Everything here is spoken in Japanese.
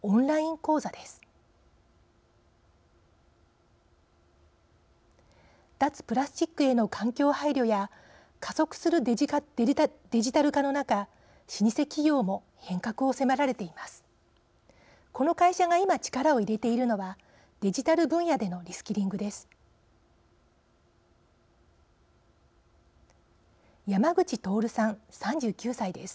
この会社が今力を入れているのはデジタル分野でのリスキリングです。